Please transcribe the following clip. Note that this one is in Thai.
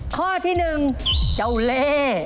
ข้อที่หนึ่งเจ้าเล